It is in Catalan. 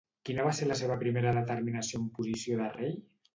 Quina va ser la seva primera determinació en posició de rei?